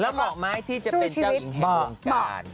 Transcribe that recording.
แล้วเหมาะมั้ยที่จะเป็นเจ้าหญิงให้ภูมิการ